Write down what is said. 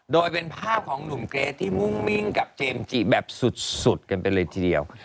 โดยเป็นภาพของหนุ่มเกรทที่มุ่งมิ้งกับเจมส์จิแบบสุดกันไปเลยทีเดียว